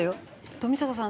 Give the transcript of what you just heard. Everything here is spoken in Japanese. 冨坂さん